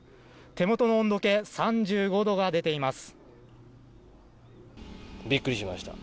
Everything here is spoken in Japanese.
手元の温度計３５度が出ています。